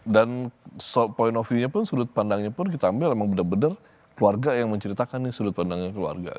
point of vie nya pun sudut pandangnya pun kita ambil memang benar benar keluarga yang menceritakan nih sudut pandangnya keluarga